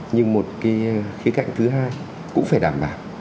nhưng một cái khía cạnh thứ hai cũng phải đảm bảo